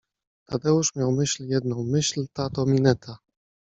Tadeusz miał myśl jedną - myśl ta to mineta.